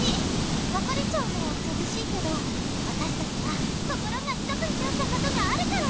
わかれちゃうのはさびしいけどわたしたちは心が一つになったことがあるから。